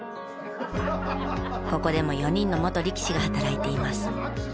ここでも４人の元力士が働いています。